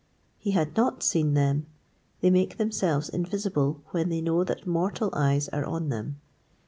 He had not seen them they make themselves invisible when they know that mortal eyes are on them.